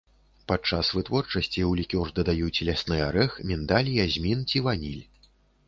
Падчас вытворчасці ў лікёр дадаюць лясны арэх, міндаль, язмін ці ваніль.